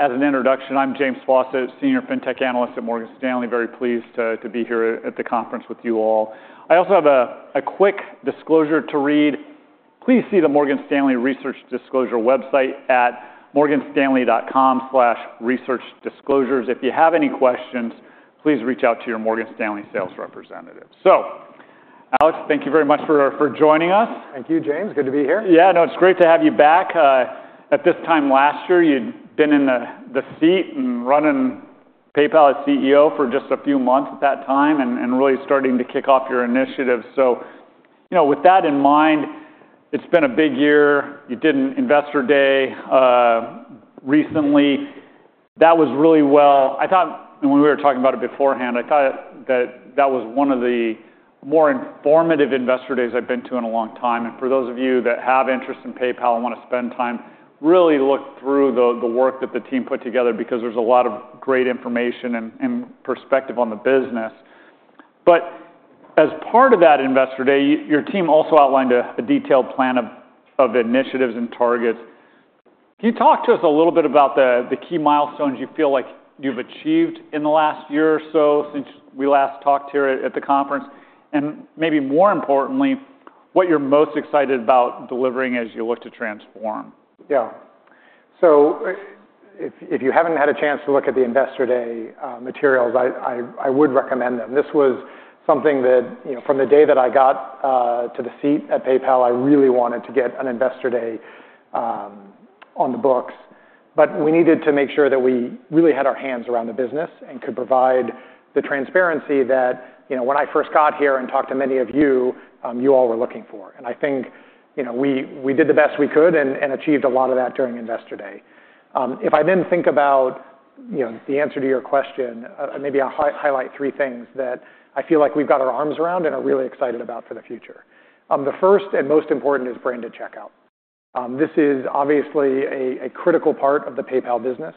As an introduction, I'm James Faucette, Senior FinTech Analyst at Morgan Stanley. Very pleased to be here at the conference with you all. I also have a quick disclosure to read. Please see the Morgan Stanley Research Disclosure website at morganstanley.com/researchdisclosures. If you have any questions, please reach out to your Morgan Stanley sales representative. So, Alex, thank you very much for joining us. Thank you, James. Good to be here. Yeah, no, it's great to have you back. At this time last year, you'd been in the seat and running PayPal as CEO for just a few months at that time and really starting to kick off your initiative, so you know, with that in mind, it's been a big year. You did an Investor Day recently. That was really well, I thought, and when we were talking about it beforehand, I thought that that was one of the more informative Investor Days I've been to in a long time, and for those of you that have interest in PayPal and want to spend time, really look through the work that the team put together because there's a lot of great information and perspective on the business. But as part of that Investor Day, your team also outlined a detailed plan of initiatives and targets. Can you talk to us a little bit about the key milestones you feel like you've achieved in the last year or so since we last talked here at the conference? And maybe more importantly, what you're most excited about delivering as you look to transform? Yeah. So if you haven't had a chance to look at the Investor Day materials, I would recommend them. This was something that, you know, from the day that I got to the seat at PayPal, I really wanted to get an Investor Day on the books. But we needed to make sure that we really had our hands around the business and could provide the transparency that, you know, when I first got here and talked to many of you, you all were looking for. And I think, you know, we did the best we could and achieved a lot of that during Investor Day. If I then think about, you know, the answer to your question, maybe I'll highlight three things that I feel like we've got our arms around and are really excited about for the future. The first and most important is branded checkout. This is obviously a critical part of the PayPal business.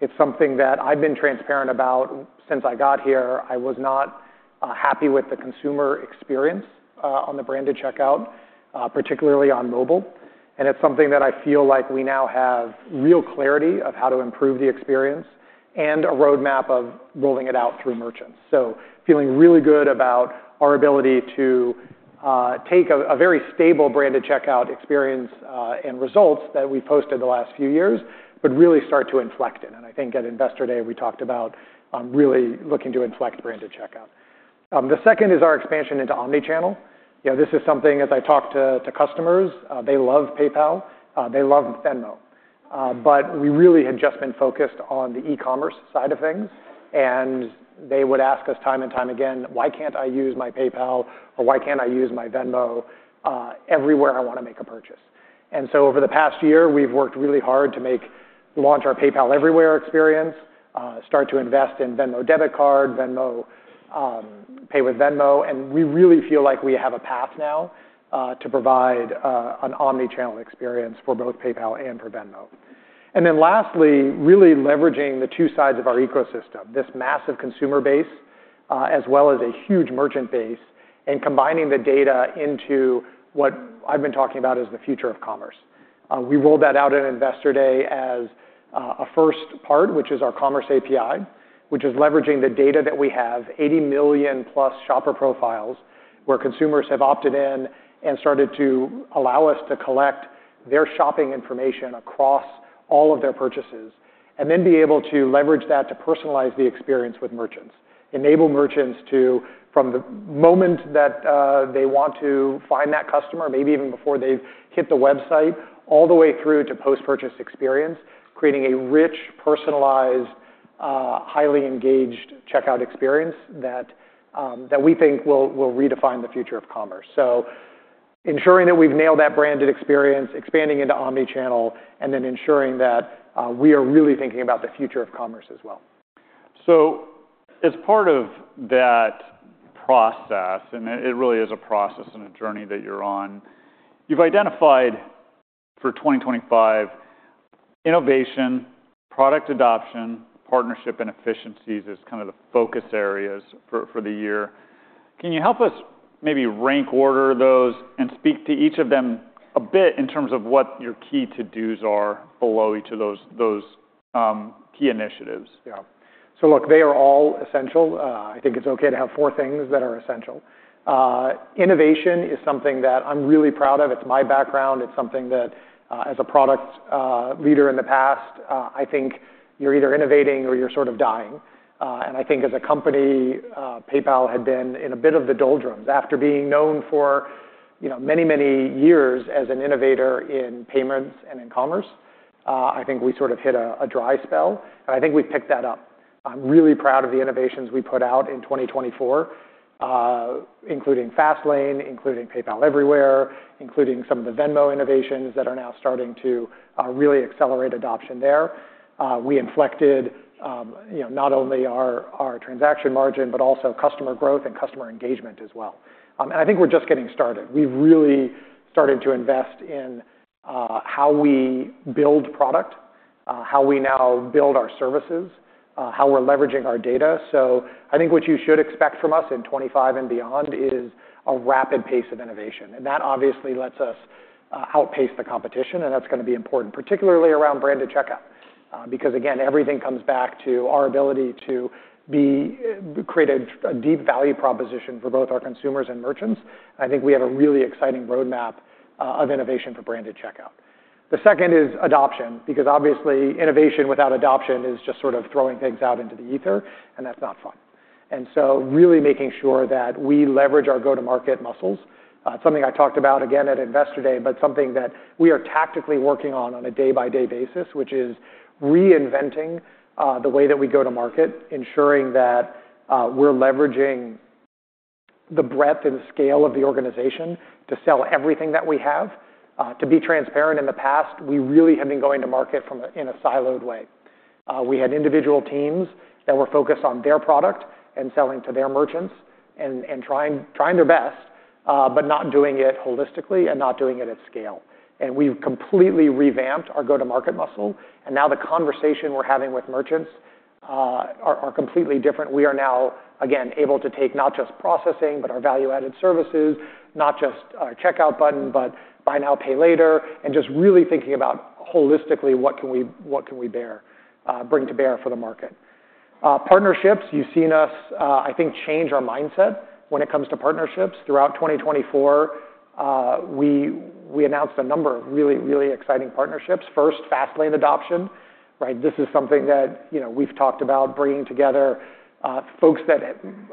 It's something that I've been transparent about since I got here. I was not happy with the consumer experience on the branded checkout, particularly on mobile, and it's something that I feel like we now have real clarity of how to improve the experience and a roadmap of rolling it out through merchants, so feeling really good about our ability to take a very stable branded checkout experience and results that we've posted the last few years, but really start to inflect it, and I think at Investor Day, we talked about really looking to inflect branded checkout. The second is our expansion into omnichannel. You know, this is something, as I talk to customers, they love PayPal, they love Venmo, but we really had just been focused on the e-commerce side of things. And they would ask us time and time again, why can't I use my PayPal or why can't I use my Venmo everywhere I want to make a purchase? And so over the past year, we've worked really hard to launch our PayPal Everywhere experience, start to invest in Venmo Debit Card, Pay with Venmo. And we really feel like we have a path now to provide an omnichannel experience for both PayPal and for Venmo. And then lastly, really leveraging the two sides of our ecosystem, this massive consumer base as well as a huge merchant base and combining the data into what I've been talking about as the future of commerce. We rolled that out at Investor Day as a first part, which is our Commerce API, which is leveraging the data that we have, 80 million plus shopper profiles where consumers have opted in and started to allow us to collect their shopping information across all of their purchases and then be able to leverage that to personalize the experience with merchants, enable merchants to, from the moment that they want to find that customer, maybe even before they've hit the website, all the way through to post-purchase experience, creating a rich, personalized, highly engaged checkout experience that we think will redefine the future of commerce. So ensuring that we've nailed that branded experience, expanding into omnichannel, and then ensuring that we are really thinking about the future of commerce as well. So as part of that process, and it really is a process and a journey that you're on, you've identified for 2025 innovation, product adoption, partnership, and efficiencies as kind of the focus areas for the year. Can you help us maybe rank order those and speak to each of them a bit in terms of what your key to-dos are below each of those key initiatives? Yeah. So look, they are all essential. I think it's okay to have four things that are essential. Innovation is something that I'm really proud of. It's my background. It's something that, as a product leader in the past, I think you're either innovating or you're sort of dying. And I think as a company, PayPal had been in a bit of the doldrums after being known for many, many years as an innovator in payments and in commerce. I think we sort of hit a dry spell. And I think we've picked that up. I'm really proud of the innovations we put out in 2024, including Fastlane, including PayPal Everywhere, including some of the Venmo innovations that are now starting to really accelerate adoption there. We inflected, you know, not only our transaction margin, but also customer growth and customer engagement as well. I think we're just getting started. We've really started to invest in how we build product, how we now build our services, how we're leveraging our data. I think what you should expect from us in 2025 and beyond is a rapid pace of innovation. That obviously lets us outpace the competition. That's going to be important, particularly around branded checkout. Because again, everything comes back to our ability to create a deep value proposition for both our consumers and merchants. I think we have a really exciting roadmap of innovation for branded checkout. The second is adoption, because obviously innovation without adoption is just sort of throwing things out into the ether, and that's not fun. Really making sure that we leverage our go-to-market muscles. It's something I talked about again at Investor Day, but something that we are tactically working on on a day-by-day basis, which is reinventing the way that we go to market, ensuring that we're leveraging the breadth and scale of the organization to sell everything that we have. To be transparent, in the past, we really had been going to market in a siloed way. We had individual teams that were focused on their product and selling to their merchants and trying their best, but not doing it holistically and not doing it at scale. And we've completely revamped our go-to-market muscle. And now the conversation we're having with merchants are completely different. We are now, again, able to take not just processing, but our value-added services, not just a checkout button, but Buy Now, Pay Later, and just really thinking about holistically what can we bring to bear for the market. Partnerships, you've seen us, I think, change our mindset when it comes to partnerships. Throughout 2024, we announced a number of really, really exciting partnerships. First, Fastlane adoption. This is something that we've talked about bringing together folks that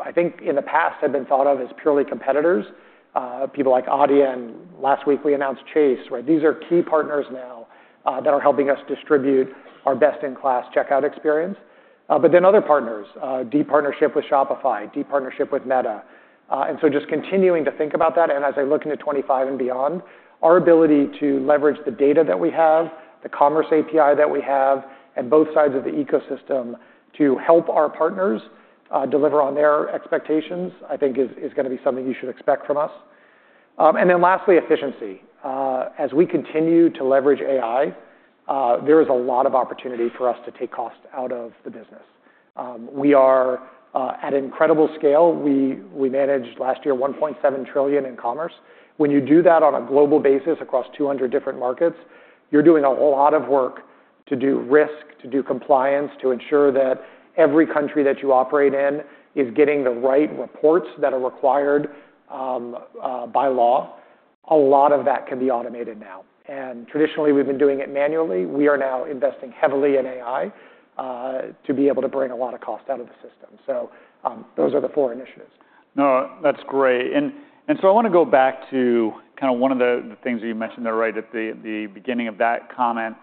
I think in the past had been thought of as purely competitors, people like Adyen. And last week we announced Chase. These are key partners now that are helping us distribute our best-in-class checkout experience. But then other partners, deep partnership with Shopify, deep partnership with Meta. And so just continuing to think about that. As I look into 2025 and beyond, our ability to leverage the data that we have, the Commerce API that we have, and both sides of the ecosystem to help our partners deliver on their expectations, I think is going to be something you should expect from us. And then lastly, efficiency. As we continue to leverage AI, there is a lot of opportunity for us to take cost out of the business. We are at incredible scale. We managed last year 1.7 trillion in commerce. When you do that on a global basis across 200 different markets, you're doing a whole lot of work to do risk, to do compliance, to ensure that every country that you operate in is getting the right reports that are required by law. A lot of that can be automated now. And traditionally, we've been doing it manually. We are now investing heavily in AI to be able to bring a lot of cost out of the system. So those are the four initiatives. No, that's great. And so I want to go back to kind of one of the things you mentioned there right at the beginning of that comment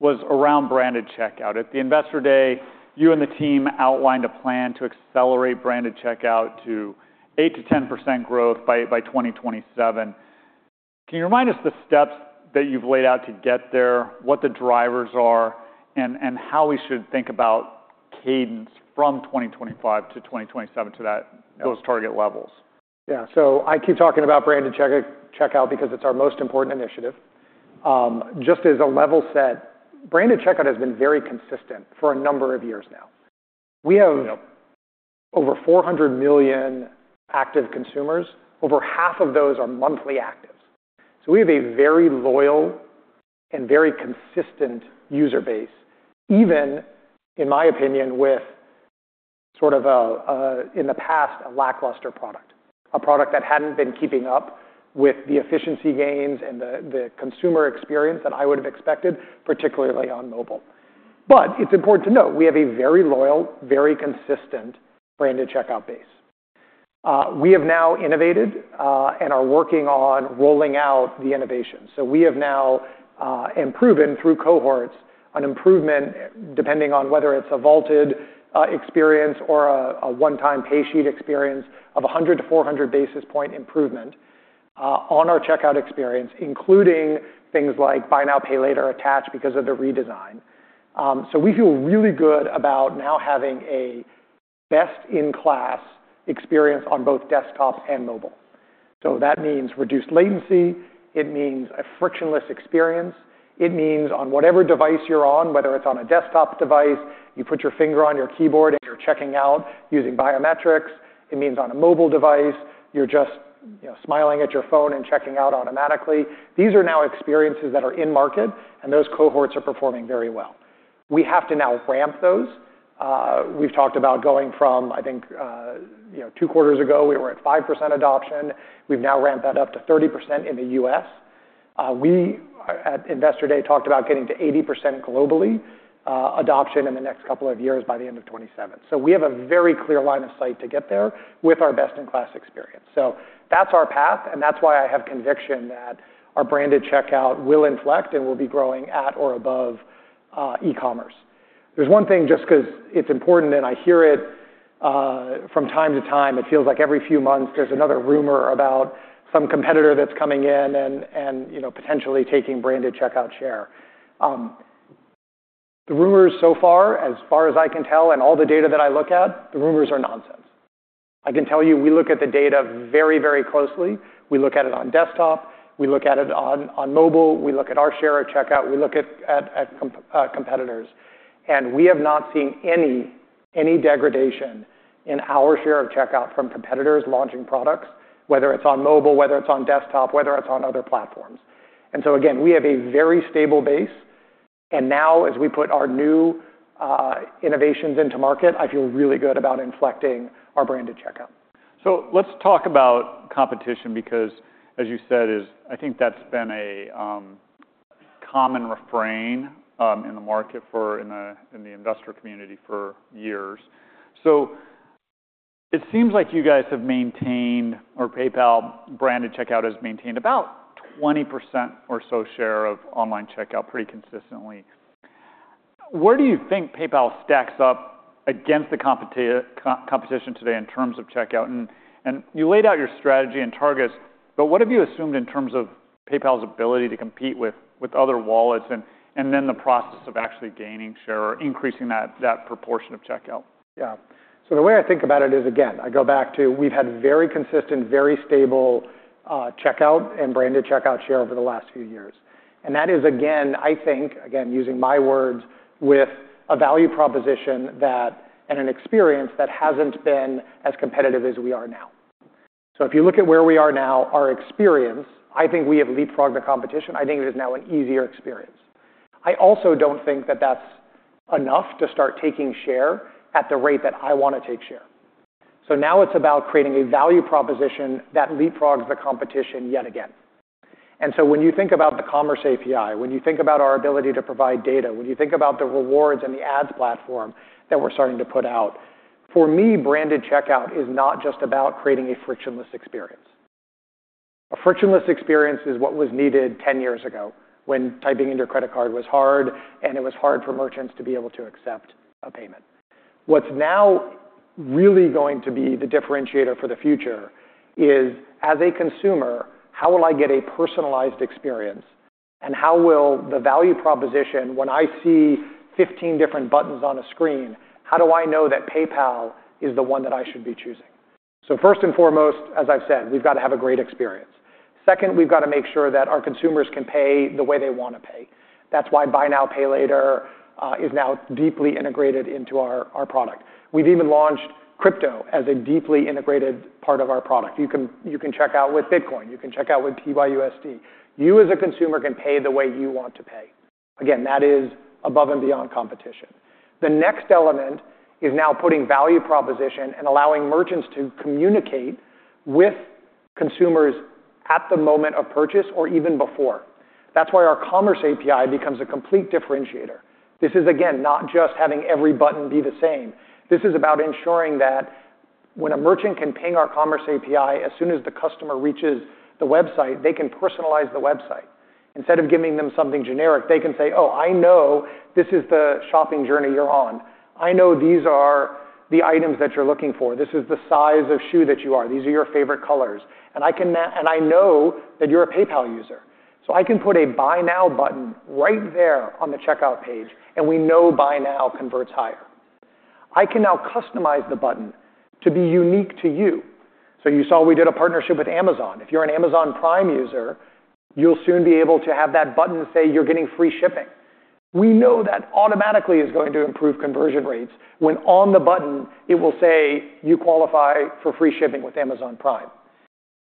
was around branded checkout. At the Investor Day, you and the team outlined a plan to accelerate branded checkout to 8%-10% growth by 2027. Can you remind us the steps that you've laid out to get there, what the drivers are, and how we should think about cadence from 2025-2027 to those target levels? Yeah. So I keep talking about branded checkout because it's our most important initiative. Just as a level set, branded checkout has been very consistent for a number of years now. We have over 400 million active consumers. Over half of those are monthly actives. So we have a very loyal and very consistent user base, even in my opinion, with sort of in the past a lackluster product, a product that hadn't been keeping up with the efficiency gains and the consumer experience that I would have expected, particularly on mobile. But it's important to note, we have a very loyal, very consistent branded checkout base. We have now innovated and are working on rolling out the innovation. So we have now improved through cohorts on improvement, depending on whether it's a vaulted experience or a one-time pay sheet experience of 100-400 basis points improvement on our checkout experience, including things like Buy Now, Pay Later attached because of the redesign. So we feel really good about now having a best-in-class experience on both desktop and mobile. So that means reduced latency. It means a frictionless experience. It means on whatever device you're on, whether it's on a desktop device, you put your finger on your keyboard and you're checking out using biometrics. It means on a mobile device, you're just smiling at your phone and checking out automatically. These are now experiences that are in market, and those cohorts are performing very well. We have to now ramp those. We've talked about going from, I think, two quarters ago, we were at 5% adoption. We've now ramped that up to 30% in the U.S. We at Investor Day talked about getting to 80% global adoption in the next couple of years by the end of 2027. So we have a very clear line of sight to get there with our best-in-class experience. So that's our path. And that's why I have conviction that our branded checkout will inflect and will be growing at or above e-commerce. There's one thing just because it's important and I hear it from time to time. It feels like every few months there's another rumor about some competitor that's coming in and potentially taking branded checkout share. The rumors so far, as far as I can tell and all the data that I look at, the rumors are nonsense. I can tell you we look at the data very, very closely. We look at it on desktop. We look at it on mobile. We look at our share of checkout. We look at competitors, and we have not seen any degradation in our share of checkout from competitors launching products, whether it's on mobile, whether it's on desktop, whether it's on other platforms, and so again, we have a very stable base, and now as we put our new innovations into market, I feel really good about inflecting our branded checkout. So let's talk about competition because, as you said, I think that's been a common refrain in the market for in the investor community for years. So it seems like you guys have maintained, or PayPal branded checkout has maintained, about 20% or so share of online checkout pretty consistently. Where do you think PayPal stacks up against the competition today in terms of checkout? And you laid out your strategy and targets, but what have you assumed in terms of PayPal's ability to compete with other wallets and then the process of actually gaining share or increasing that proportion of checkout? Yeah. So the way I think about it is, again, I go back to we've had very consistent, very stable checkout and branded checkout share over the last few years. And that is, again, I think, again, using my words, with a value proposition and an experience that hasn't been as competitive as we are now. So if you look at where we are now, our experience, I think we have leapfrogged the competition. I think it is now an easier experience. I also don't think that that's enough to start taking share at the rate that I want to take share. So now it's about creating a value proposition that leapfrogs the competition yet again. And so when you think about the Commerce API, when you think about our ability to provide data, when you think about the rewards and the ads platform that we're starting to put out, for me, branded checkout is not just about creating a frictionless experience. A frictionless experience is what was needed 10 years ago when typing into your credit card was hard and it was hard for merchants to be able to accept a payment. What's now really going to be the differentiator for the future is, as a consumer, how will I get a personalized experience and how will the value proposition, when I see 15 different buttons on a screen, how do I know that PayPal is the one that I should be choosing? So first and foremost, as I've said, we've got to have a great experience. Second, we've got to make sure that our consumers can pay the way they want to pay. That's why Buy Now, Pay Later is now deeply integrated into our product. We've even launched crypto as a deeply integrated part of our product. You can checkout with Bitcoin. You can checkout with PYUSD. You, as a consumer, can pay the way you want to pay. Again, that is above and beyond competition. The next element is now putting value proposition and allowing merchants to communicate with consumers at the moment of purchase or even before. That's why our Commerce API becomes a complete differentiator. This is, again, not just having every button be the same. This is about ensuring that when a merchant can ping our Commerce API, as soon as the customer reaches the website, they can personalize the website. Instead of giving them something generic, they can say, "Oh, I know this is the shopping journey you're on. I know these are the items that you're looking for. This is the size of shoe that you are. These are your favorite colors. And I know that you're a PayPal user." So I can put a buy now button right there on the checkout page, and we know buy now converts higher. I can now customize the button to be unique to you. So you saw we did a partnership with Amazon. If you're an Amazon Prime user, you'll soon be able to have that button say you're getting free shipping. We know that automatically is going to improve conversion rates when on the button it will say you qualify for free shipping with Amazon Prime.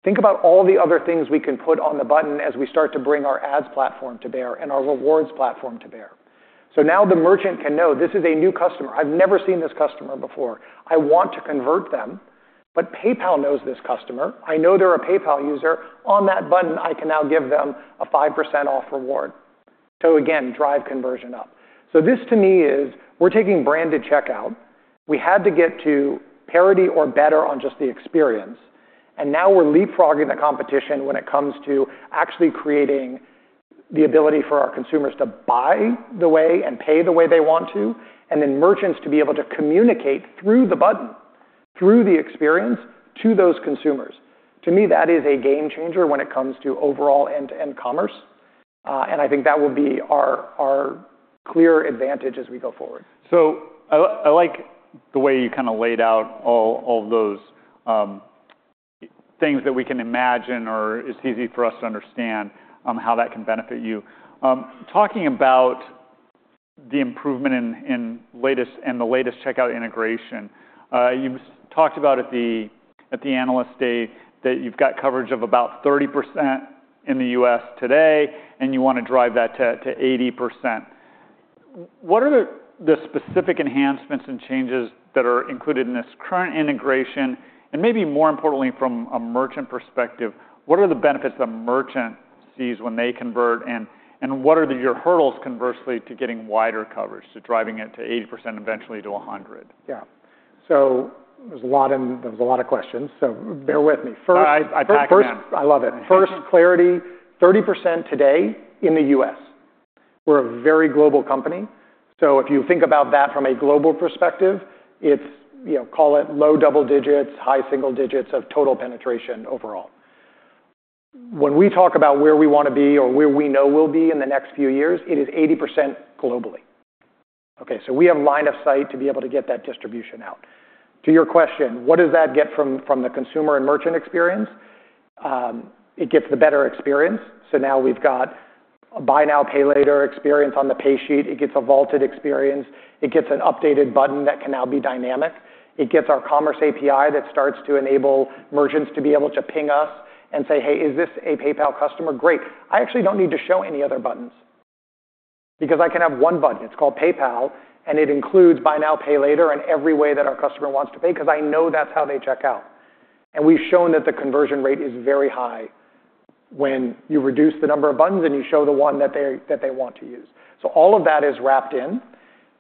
Think about all the other things we can put on the button as we start to bring our ads platform to bear and our rewards platform to bear. So now the merchant can know this is a new customer. I've never seen this customer before. I want to convert them, but PayPal knows this customer. I know they're a PayPal user. On that button, I can now give them a 5% off reward. So again, drive conversion up. So this to me is we're taking branded checkout. We had to get to parity or better on just the experience, and now we're leapfrogging the competition when it comes to actually creating the ability for our consumers to buy the way and pay the way they want to, and then merchants to be able to communicate through the button, through the experience to those consumers. To me, that is a game changer when it comes to overall end-to-end commerce, and I think that will be our clear advantage as we go forward. I like the way you kind of laid out all of those things that we can imagine or it's easy for us to understand how that can benefit you. Talking about the improvement in the latest checkout integration, you talked about at the Analyst Day that you've got coverage of about 30% in the U.S. today, and you want to drive that to 80%. What are the specific enhancements and changes that are included in this current integration? And maybe more importantly, from a merchant perspective, what are the benefits that a merchant sees when they convert? And what are your hurdles conversely to getting wider coverage, to driving it to 80%, eventually to 100%? Yeah. So there's a lot of questions. So bear with me. First, I love it. First, clarity, 30% today in the U.S. We're a very global company. So if you think about that from a global perspective, it's call it low double digits, high single digits of total penetration overall. When we talk about where we want to be or where we know we'll be in the next few years, it is 80% globally. Okay. So we have line of sight to be able to get that distribution out. To your question, what does that get from the consumer and merchant experience? It gets the better experience. So now we've got a Buy Now, Pay Later experience on the pay sheet. It gets a vaulted experience. It gets an updated button that can now be dynamic. It gets our Commerce API that starts to enable merchants to be able to ping us and say, "Hey, is this a PayPal customer?" Great. I actually don't need to show any other buttons because I can have one button. It's called PayPal, and it includes Buy Now, Pay Later and every way that our customer wants to pay because I know that's how they check out. And we've shown that the conversion rate is very high when you reduce the number of buttons and you show the one that they want to use. So all of that is wrapped in.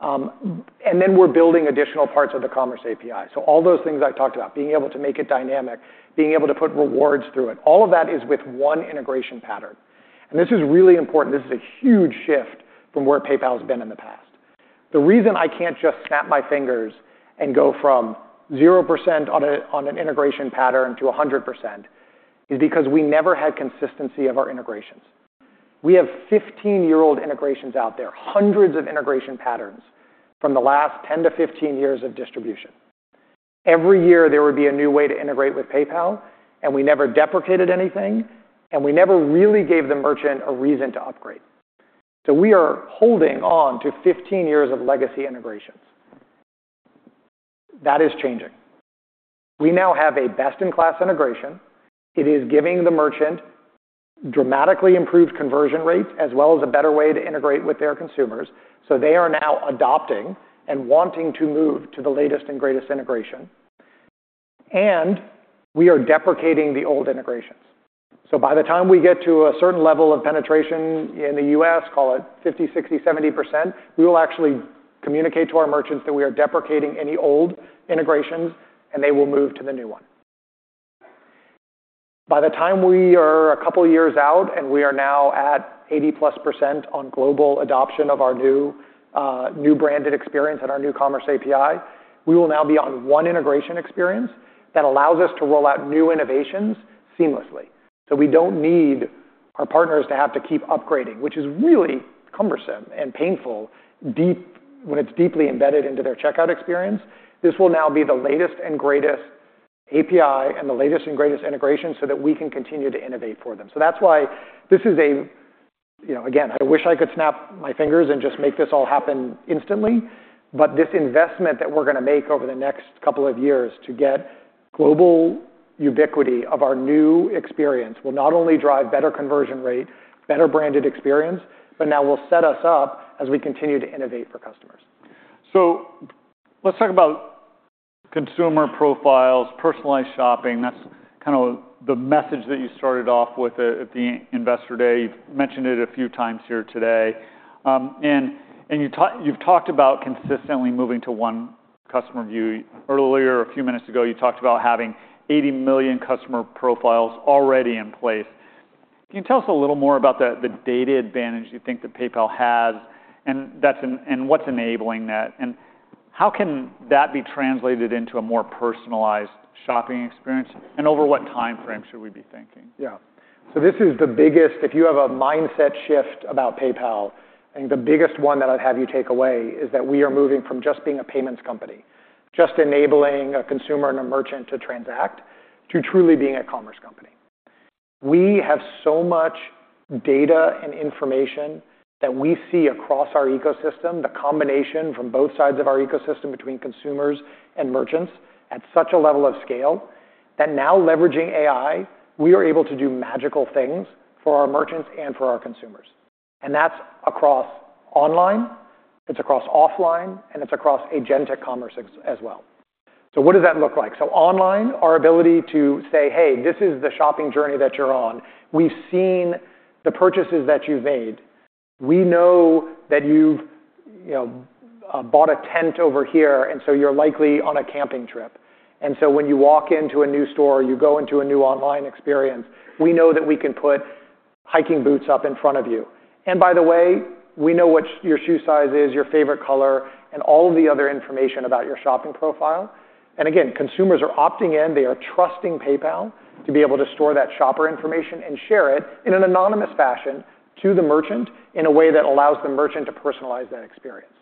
And then we're building additional parts of the Commerce API. So all those things I talked about, being able to make it dynamic, being able to put rewards through it, all of that is with one integration pattern. And this is really important. This is a huge shift from where PayPal has been in the past. The reason I can't just snap my fingers and go from 0% on an integration pattern to 100% is because we never had consistency of our integrations. We have 15-year-old integrations out there, hundreds of integration patterns from the last 10-15 years of distribution. Every year there would be a new way to integrate with PayPal, and we never deprecated anything, and we never really gave the merchant a reason to upgrade. So we are holding on to 15 years of legacy integrations. That is changing. We now have a best-in-class integration. It is giving the merchant dramatically improved conversion rates as well as a better way to integrate with their consumers. So they are now adopting and wanting to move to the latest and greatest integration. And we are deprecating the old integrations. By the time we get to a certain level of penetration in the U.S., call it 50, 60, 70%, we will actually communicate to our merchants that we are deprecating any old integrations, and they will move to the new one. By the time we are a couple of years out and we are now at 80+% on global adoption of our new branded experience and our new Commerce API, we will now be on one integration experience that allows us to roll out new innovations seamlessly. We don't need our partners to have to keep upgrading, which is really cumbersome and painful when it's deeply embedded into their checkout experience. This will now be the latest and greatest API and the latest and greatest integration so that we can continue to innovate for them. So that's why this is a, again, I wish I could snap my fingers and just make this all happen instantly, but this investment that we're going to make over the next couple of years to get global ubiquity of our new experience will not only drive better conversion rate, better branded experience, but now will set us up as we continue to innovate for customers. So let's talk about consumer profiles, personalized shopping. That's kind of the message that you started off with at the Investor Day. You've mentioned it a few times here today. And you've talked about consistently moving to one customer view. Earlier, a few minutes ago, you talked about having 80 million customer profiles already in place. Can you tell us a little more about the data advantage you think that PayPal has and what's enabling that? And how can that be translated into a more personalized shopping experience? And over what time frame should we be thinking? Yeah. So this is the biggest, if you have a mindset shift about PayPal, I think the biggest one that I'd have you take away is that we are moving from just being a payments company, just enabling a consumer and a merchant to transact, to truly being a commerce company. We have so much data and information that we see across our ecosystem, the combination from both sides of our ecosystem between consumers and merchants at such a level of scale that now leveraging AI, we are able to do magical things for our merchants and for our consumers. And that's across online, it's across offline, and it's across agentic commerce as well. So what does that look like? So online, our ability to say, "Hey, this is the shopping journey that you're on. We've seen the purchases that you've made. We know that you've bought a tent over here, and so you're likely on a camping trip. And so when you walk into a new store, you go into a new online experience, we know that we can put hiking boots up in front of you. And by the way, we know what your shoe size is, your favorite color, and all of the other information about your shopping profile." And again, consumers are opting in. They are trusting PayPal to be able to store that shopper information and share it in an anonymous fashion to the merchant in a way that allows the merchant to personalize that experience.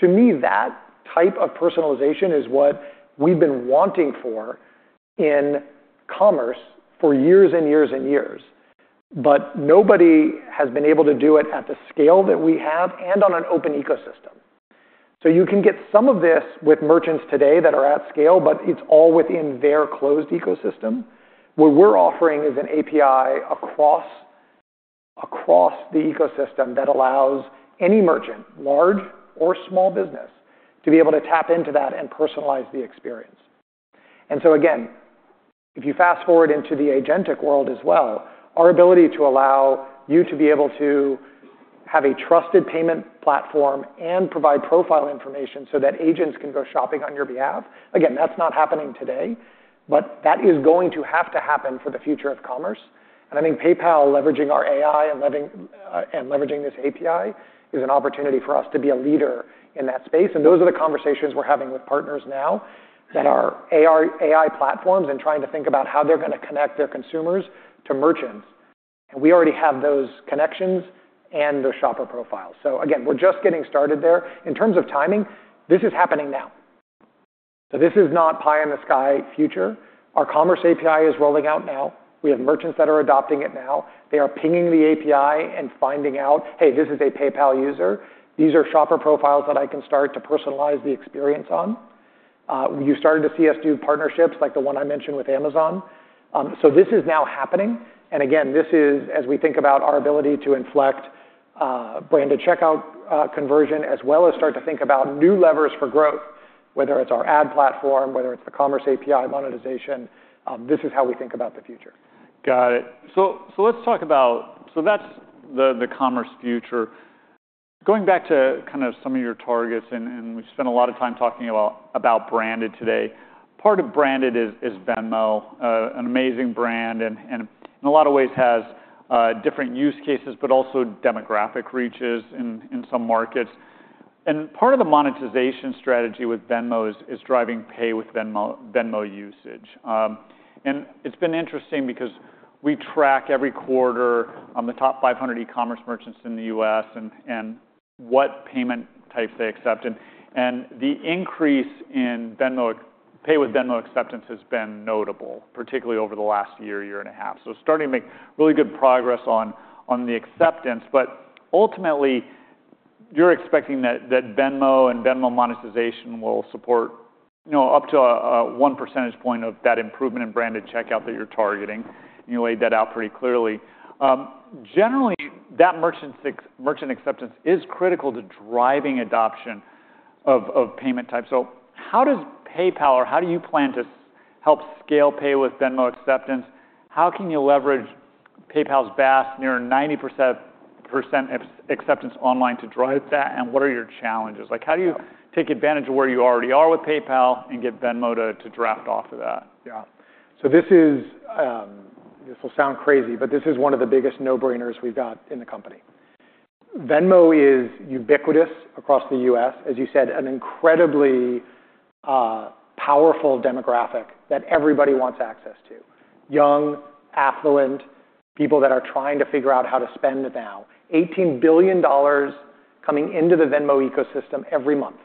To me, that type of personalization is what we've been wanting for in commerce for years and years and years, but nobody has been able to do it at the scale that we have and on an open ecosystem. So you can get some of this with merchants today that are at scale, but it's all within their closed ecosystem. What we're offering is an API across the ecosystem that allows any merchant, large or small business, to be able to tap into that and personalize the experience. And so again, if you fast forward into the agentic world as well, our ability to allow you to be able to have a trusted payment platform and provide profile information so that agents can go shopping on your behalf, again, that's not happening today, but that is going to have to happen for the future of commerce. And I think PayPal, leveraging our AI and leveraging this API, is an opportunity for us to be a leader in that space. And those are the conversations we're having with partners now that are AI platforms and trying to think about how they're going to connect their consumers to merchants. And we already have those connections and the shopper profiles. So again, we're just getting started there. In terms of timing, this is happening now. So this is not pie in the sky future. Our Commerce API is rolling out now. We have merchants that are adopting it now. They are pinging the API and finding out, "Hey, this is a PayPal user. These are shopper profiles that I can start to personalize the experience on." You started to see us do partnerships like the one I mentioned with Amazon. So this is now happening. Again, this is as we think about our ability to inflect branded checkout conversion as well as start to think about new levers for growth, whether it's our ad platform, whether it's the Commerce API monetization. This is how we think about the future. Got it. So let's talk about, so that's the commerce future. Going back to kind of some of your targets, and we spent a lot of time talking about branded today. Part of branded is Venmo, an amazing brand, and in a lot of ways has different use cases, but also demographic reaches in some markets. And part of the monetization strategy with Venmo is driving Pay with Venmo usage. And it's been interesting because we track every quarter the top 500 e-commerce merchants in the U.S. and what payment types they accept. And the increase in Pay with Venmo acceptance has been notable, particularly over the last year and a half. So starting to make really good progress on the acceptance, but ultimately, you're expecting that Venmo and Venmo monetization will support up to a one percentage point of that improvement in branded checkout that you're targeting. You laid that out pretty clearly. Generally, that merchant acceptance is critical to driving adoption of payment types. So how does PayPal, or how do you plan to help scale Pay with Venmo acceptance? How can you leverage PayPal's vast near 90% acceptance online to drive that? And what are your challenges? How do you take advantage of where you already are with PayPal and get Venmo to draft off of that? Yeah. So this will sound crazy, but this is one of the biggest no-brainers we've got in the company. Venmo is ubiquitous across the U.S., as you said, an incredibly powerful demographic that everybody wants access to. Young, affluent, people that are trying to figure out how to spend it now. $18 billion coming into the Venmo ecosystem every month.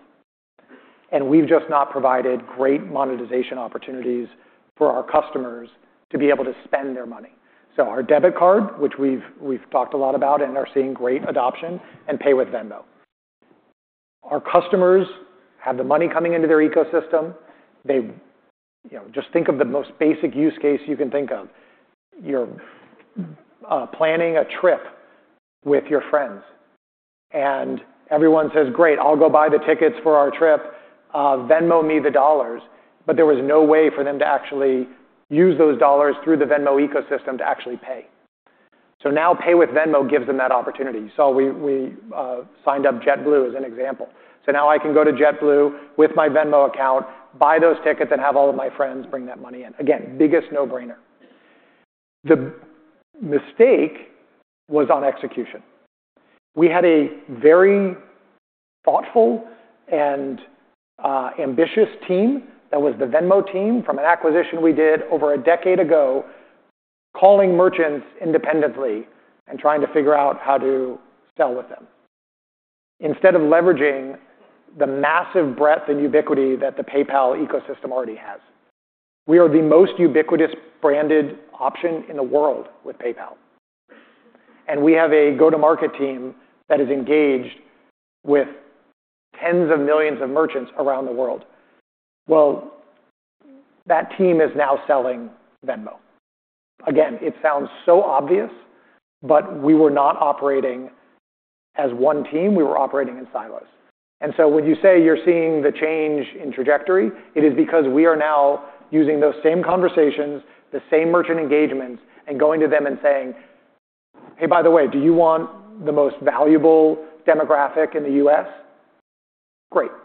And we've just not provided great monetization opportunities for our customers to be able to spend their money. So our debit card, which we've talked a lot about and are seeing great adoption, and Pay with Venmo. Our customers have the money coming into their ecosystem. Just think of the most basic use case you can think of. You're planning a trip with your friends, and everyone says, "Great, I'll go buy the tickets for our trip. Venmo me the dollars." But there was no way for them to actually use those dollars through the Venmo ecosystem to actually pay, so now Pay with Venmo gives them that opportunity, so we signed up JetBlue as an example. So now I can go to JetBlue with my Venmo account, buy those tickets, and have all of my friends bring that money in. Again, biggest no-brainer. The mistake was on execution. We had a very thoughtful and ambitious team that was the Venmo team from an acquisition we did over a decade ago, calling merchants independently and trying to figure out how to sell with them instead of leveraging the massive breadth and ubiquity that the PayPal ecosystem already has. We are the most ubiquitous branded option in the world with PayPal. We have a go-to-market team that is engaged with tens of millions of merchants around the world. Well, that team is now selling Venmo. Again, it sounds so obvious, but we were not operating as one team. We were operating in silos. And so when you say you're seeing the change in trajectory, it is because we are now using those same conversations, the same merchant engagements, and going to them and saying, "Hey, by the way, do you want the most valuable demographic in the U.S.?" Great. Pretty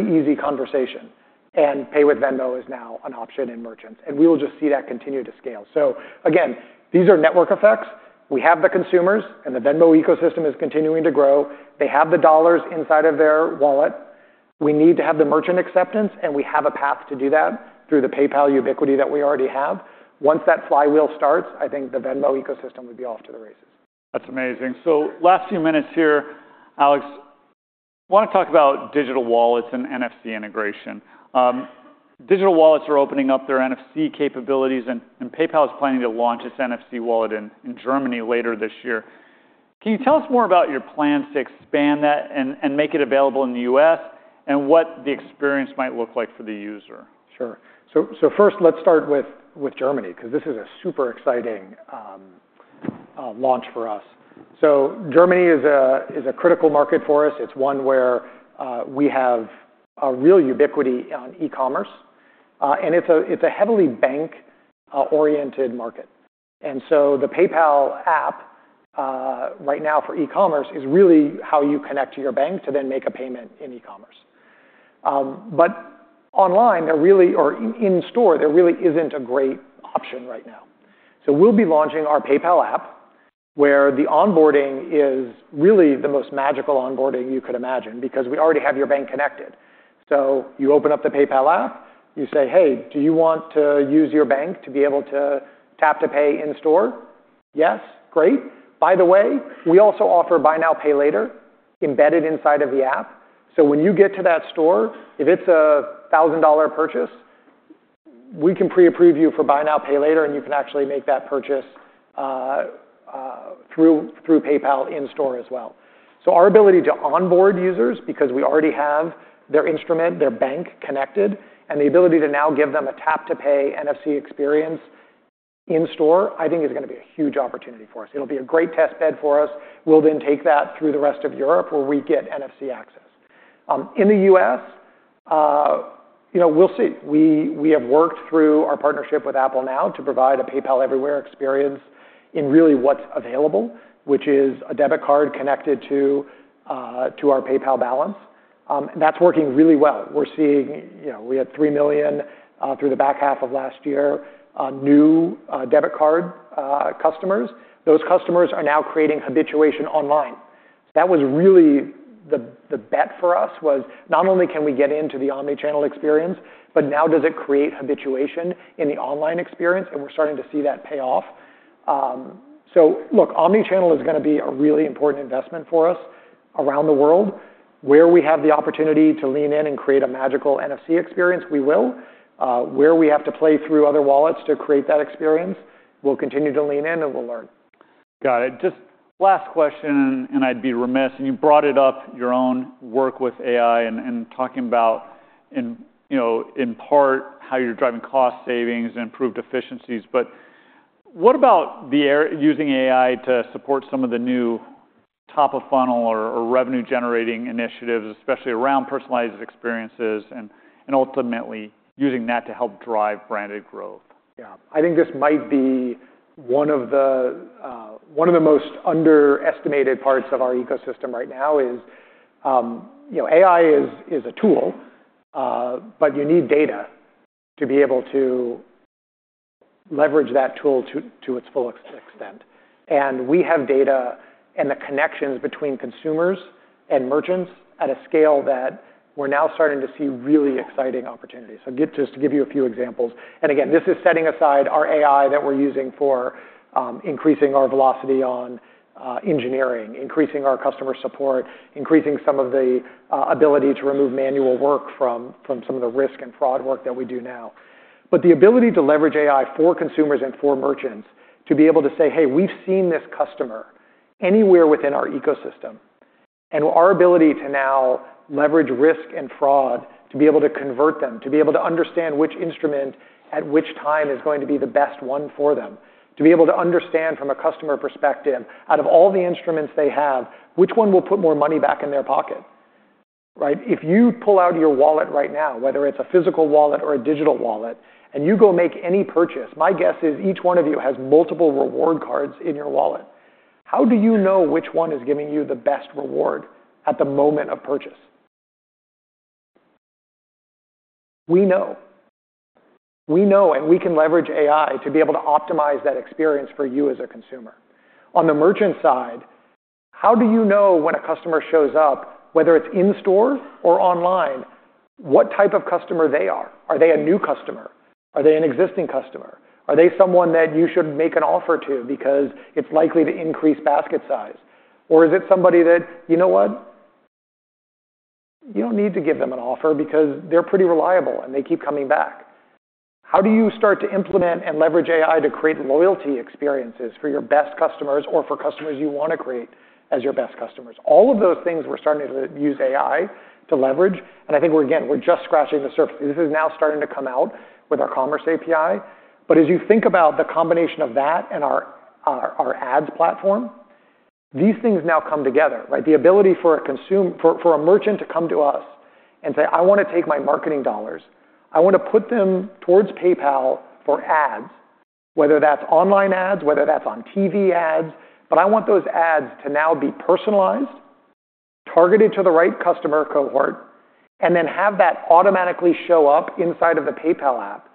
easy conversation. And Pay with Venmo is now an option in merchants. And we will just see that continue to scale. So again, these are network effects. We have the consumers, and the Venmo ecosystem is continuing to grow. They have the dollars inside of their wallet. We need to have the merchant acceptance, and we have a path to do that through the PayPal ubiquity that we already have. Once that flywheel starts, I think the Venmo ecosystem would be off to the races. That's amazing. So last few minutes here, Alex, I want to talk about digital wallets and NFC integration. Digital wallets are opening up their NFC capabilities, and PayPal is planning to launch its NFC wallet in Germany later this year. Can you tell us more about your plans to expand that and make it available in the U.S. and what the experience might look like for the user? Sure. So first, let's start with Germany because this is a super exciting launch for us. So Germany is a critical market for us. It's one where we have a real ubiquity on e-commerce, and it's a heavily bank-oriented market. And so the PayPal app right now for e-commerce is really how you connect to your bank to then make a payment in e-commerce. But online, or in store, there really isn't a great option right now. So we'll be launching our PayPal app where the onboarding is really the most magical onboarding you could imagine because we already have your bank connected. So you open up the PayPal app, you say, "Hey, do you want to use your bank to be able to tap to pay in store?" "Yes." "Great." "By the way, we also offer Buy Now, pay Later embedded inside of the app. So when you get to that store, if it's a $1,000 purchase, we can pre-approve you for Buy Now, Pay Later, and you can actually make that purchase through PayPal in store as well." So our ability to onboard users because we already have their instrument, their bank connected, and the ability to now give them a tap-to-pay NFC experience in store, I think is going to be a huge opportunity for us. It'll be a great test bed for us. We'll then take that through the rest of Europe where we get NFC access. In the U.S., we'll see. We have worked through our partnership with Apple now to provide a PayPal Everywhere experience in really what's available, which is a debit card connected to our PayPal balance. That's working really well. We're seeing we had 3 million through the back half of last year new debit card customers. Those customers are now creating habituation online. So that was really the bet for us was not only can we get into the omnichannel experience, but now does it create habituation in the online experience? And we're starting to see that pay off. So look, omnichannel is going to be a really important investment for us around the world. Where we have the opportunity to lean in and create a magical NFC experience, we will. Where we have to play through other wallets to create that experience, we'll continue to lean in and we'll learn. Got it. Just last question, and I'd be remiss, and you brought it up, your own work with AI and talking about, in part, how you're driving cost savings and improved efficiencies, but what about using AI to support some of the new top-of-funnel or revenue-generating initiatives, especially around personalized experiences and ultimately using that to help drive branded growth? Yeah. I think this might be one of the most underestimated parts of our ecosystem right now: AI is a tool, but you need data to be able to leverage that tool to its full extent, and we have data and the connections between consumers and merchants at a scale that we're now starting to see really exciting opportunities, so just to give you a few examples, and again, this is setting aside our AI that we're using for increasing our velocity on engineering, increasing our customer support, increasing some of the ability to remove manual work from some of the risk and fraud work that we do now. But the ability to leverage AI for consumers and for merchants to be able to say, "Hey, we've seen this customer anywhere within our ecosystem," and our ability to now leverage risk and fraud to be able to convert them, to be able to understand which instrument at which time is going to be the best one for them, to be able to understand from a customer perspective, out of all the instruments they have, which one will put more money back in their pocket. If you pull out your wallet right now, whether it's a physical wallet or a digital wallet, and you go make any purchase, my guess is each one of you has multiple reward cards in your wallet. How do you know which one is giving you the best reward at the moment of purchase? We know. We know, and we can leverage AI to be able to optimize that experience for you as a consumer. On the merchant side, how do you know when a customer shows up, whether it's in store or online, what type of customer they are? Are they a new customer? Are they an existing customer? Are they someone that you should make an offer to because it's likely to increase basket size? Or is it somebody that, you know what? You don't need to give them an offer because they're pretty reliable and they keep coming back. How do you start to implement and leverage AI to create loyalty experiences for your best customers or for customers you want to create as your best customers? All of those things we're starting to use AI to leverage. And I think we're, again, we're just scratching the surface. This is now starting to come out with our Commerce API. But as you think about the combination of that and our ads platform, these things now come together. The ability for a merchant to come to us and say, "I want to take my marketing dollars. I want to put them towards PayPal for ads, whether that's online ads, whether that's on TV ads, but I want those ads to now be personalized, targeted to the right customer cohort, and then have that automatically show up inside of the PayPal app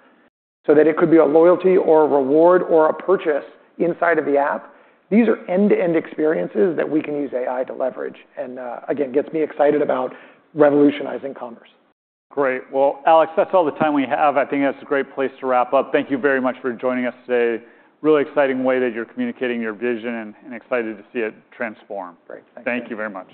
so that it could be a loyalty or a reward or a purchase inside of the app." These are end-to-end experiences that we can use AI to leverage. And again, it gets me excited about revolutionizing commerce. Great. Well, Alex, that's all the time we have. I think that's a great place to wrap up. Thank you very much for joining us today. Really exciting way that you're communicating your vision and excited to see it transform. Great. Thank you. Thank you very much.